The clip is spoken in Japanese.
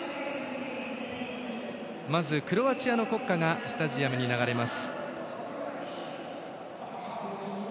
まずクロアチアの国歌がスタジアムに流れます。